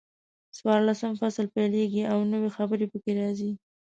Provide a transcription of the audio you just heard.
څلورلسم فصل پیلېږي او نوي خبرې پکې راځي.